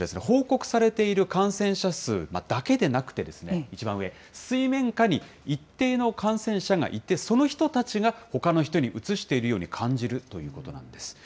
報告されている感染者数だけでなくて、一番上、水面下に一定の感染者がいて、その人たちが、ほかの人にうつしているように感じるということなんです。